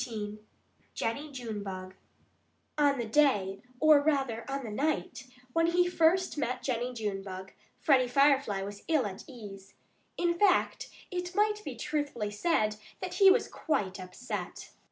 XIV JENNIE JUNEBUG On the day or rather, on the night when he first met Jennie Junebug, Freddie Firefly was ill at ease. In fact it might be truthfully said that he was quite upset.